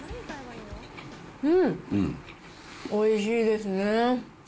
うん、おいしいですね。